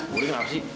bu de kenapa sih